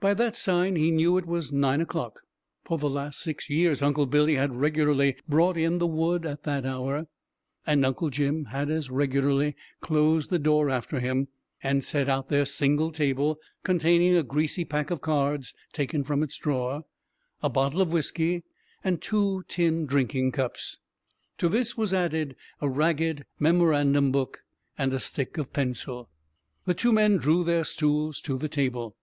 By that sign he knew it was nine o'clock: for the last six years Uncle Billy had regularly brought in the wood at that hour, and Uncle Jim had as regularly closed the door after him, and set out their single table, containing a greasy pack of cards taken from its drawer, a bottle of whiskey, and two tin drinking cups. To this was added a ragged memorandum book and a stick of pencil. The two men drew their stools to the table.